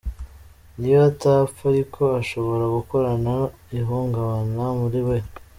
Niyo atapfa ariko ashobora gukurana ihungabana muri we”.